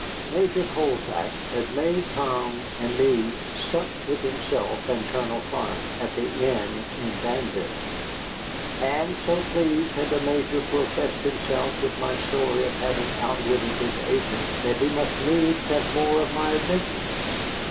Major Colfax had made Tom and me sup with himself and Colonel Clark at the inn in Danville. And so pleased had the Major professed himself with my story of having outwitted his agent, that he must needs have more of my adventures.